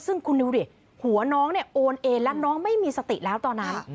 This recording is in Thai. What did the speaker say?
ซึ่งคุณนิวดิหัวน้องเนี่ยโอนเอนแล้วน้องไม่มีสติแล้วตอนนั้น